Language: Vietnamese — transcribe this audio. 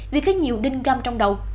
vì có nhiều đinh găm trong đầu